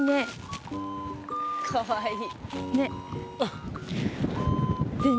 かわいい。ね。